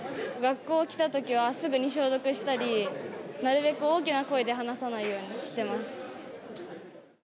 学校来たときは、すぐに消毒したり、なるべく大きな声で話さないようにしてます。